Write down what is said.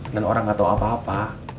dan orang gak tau apa apa